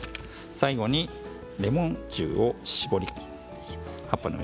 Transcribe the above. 最後にレモン汁を搾ります。